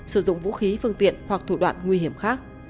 sử dụng vũ khí phương tiện hoặc thủ đoạn nguy hiểm khác